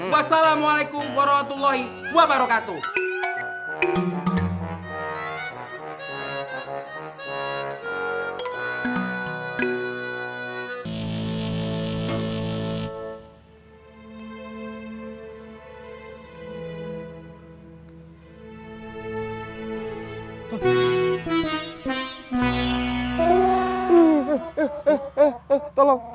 wassalamualaikum warahmatullahi wabarakatuh